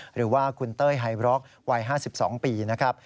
หรือว่าคุณเต้ยไฮบร็อกวัย๕๒ปีนะครับ